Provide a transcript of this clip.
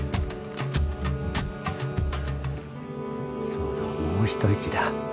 そうだもう一息だ。